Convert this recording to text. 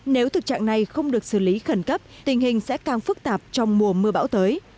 nếu thực trạng này không được xử lý khẩn cấp tình hình sẽ càng phức tạp trong mùa mưa bão tới